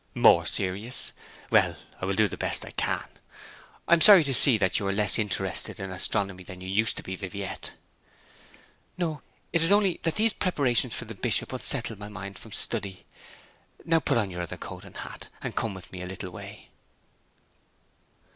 'More serious! Well, I will do the best I can. I am sorry to see that you are less interested in astronomy than you used to be, Viviette.' 'No; it is only that these preparations for the Bishop unsettle my mind from study. Now put on your other coat and hat, and come with me a little way.'